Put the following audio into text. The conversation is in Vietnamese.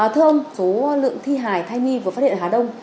thưa ông số lượng thi hài thai nhi vừa phát hiện ở hà đông